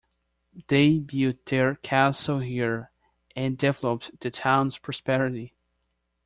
They built their castle here and developed the town's prosperity.